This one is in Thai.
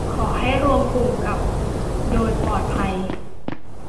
ขอให้รวมกลุ่มกลับโดยปลอดภัย